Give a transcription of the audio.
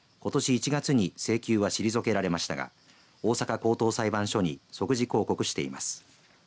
１月に請求は退けられましたが大阪高等裁判所に即時抗告しています。